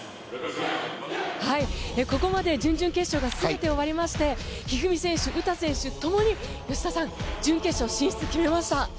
ここまで準々決勝が全て終わりまして一二三選手、詩選手ともに吉田さん準決勝進出を決めました。